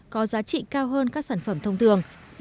có giá trị cao hơn các sản phẩm thông thường